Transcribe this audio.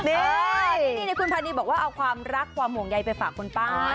นี่คุณพันนีบอกว่าเอาความรักความห่วงใยไปฝากคุณป้า